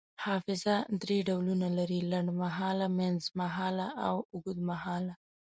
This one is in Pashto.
حافظه دری ډولونه لري: لنډمهاله، منځمهاله او اوږدمهاله